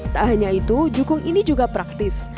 tak hanya itu jukung ini juga praktis